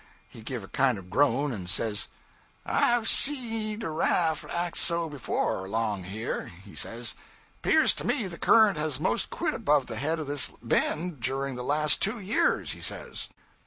He give a kind of a groan, and says '"I've seed a raft act so before, along here," he says, "'pears to me the current has most quit above the head of this bend durin' the last two years," he says.